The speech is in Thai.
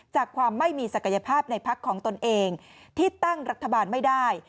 จากความไม่มีศักยภาพในพักของตนเองที่ตั้งรัฐบาลไม่ได้